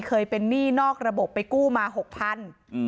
เคยเป็นนี่นอกระบบไปกู้มา๖๐๐๐บาท